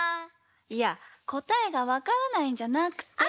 いやこたえがわからないんじゃなくて。